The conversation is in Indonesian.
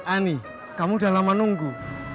ani kamu udah lama nunggu